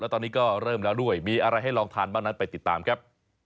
ตอนนี้ก็เริ่มแล้วด้วยมีอะไรให้ลองทานบ้างนั้นไปติดตามครับ